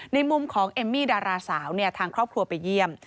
ในมุมของเอมมี่ดาราสาวทางครอบครัวไปเยี่ยม